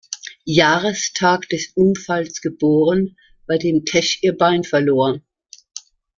Jahrestag des Unfalls geboren, bei dem Tesch ihr Bein verlor.